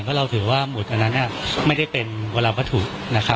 เพราะเราถือว่าหุดอันนั้นไม่ได้เป็นเวลาวัตถุนะครับ